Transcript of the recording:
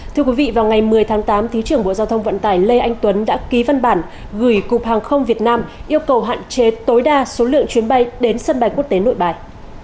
thưa quý vị vào ngày một mươi tháng tám thứ trưởng bộ giao thông vận tải lê anh tuấn đã ký văn bản gửi cục hàng không việt nam yêu cầu hạn chế tối đa số lượng chuyến bay đến sân bay quốc tế nội bài